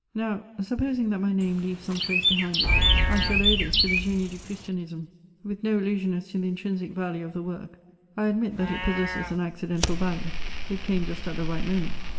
Now, supposing that my name leaves some trace behind it, I shall owe this to the Génie du Christianisme: with no illusion as to the intrinsic value of the work, I admit that it possesses an accidental value; it came just at the right moment.